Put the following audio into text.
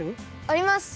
あります。